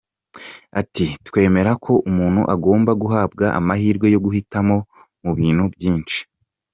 Ati “Twemera ko umuntu agomba guhabwa amahirwe yo guhitamo mu bintu byinshi.